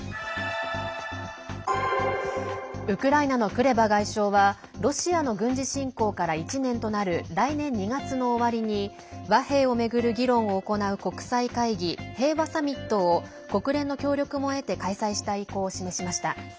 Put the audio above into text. ウクライナのクレバ外相はロシアの軍事侵攻から１年となる来年２月の終わりに和平を巡る議論を行う国際会議平和サミットを国連の協力も得て開催したい意向を示しました。